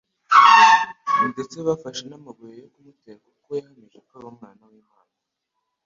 ndetse bafashe n'amabuye yo kumutera kuko yahamije ko ari Umwana w'Imana.